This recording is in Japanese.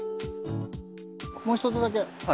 もう一つだけ。